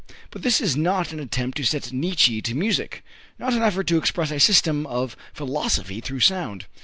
But this is not an attempt to set Nietzsche to music, not an effort to express a system of philosophy through sound.